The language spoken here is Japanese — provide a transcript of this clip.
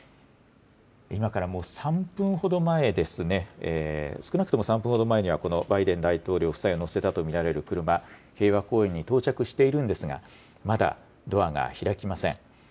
今からもう３分ほど前ですね、少なくとも３分ほど前には、このバイデン大統領夫妻を乗せたと見られる車、平和公園に到着しているんですが、まだドアが開きません。